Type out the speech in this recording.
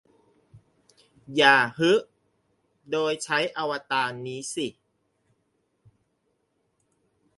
อย่า 'ฮึ' โดยใช้อวตารนี้สิ